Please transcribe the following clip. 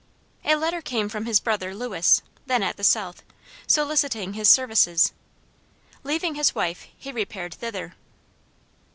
A letter came from his brother Lewis, then at the South, soliciting his services. Leaving his wife, he repaired thither.